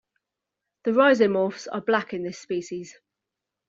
The rhizomorphs are black in this species.